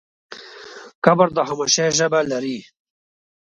قبر د خاموشۍ ژبه لري.